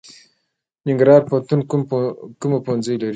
ننګرهار پوهنتون کوم پوهنځي لري؟